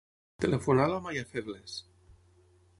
Telefona a l'Amaia Febles.